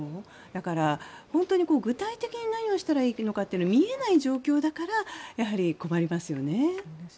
だから、本当に具体的に何をしたらいいのかというのが見えない状況だからやはり困りますよね。